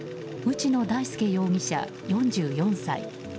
内野大輔容疑者、４４歳。